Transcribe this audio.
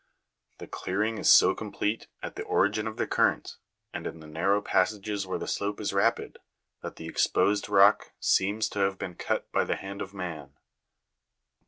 The clear ing is so complete, at the origin of the current, and in the narrow passages where the slope is rapid, that the exposed rock seems to have been cut by the hand of man.